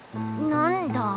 なんだ？